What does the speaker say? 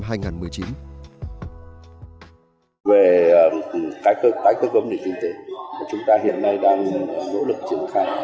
về tái cơ cấu nền kinh tế chúng ta hiện nay đang nỗ lực triển khai